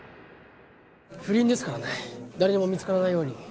不倫ですからね誰にも見つからないように